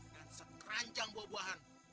dan sekeranjang buah buahan